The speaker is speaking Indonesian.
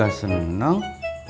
lalu kalau breakthrough